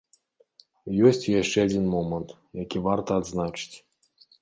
Ёсць і яшчэ адзін момант, які варта адзначыць.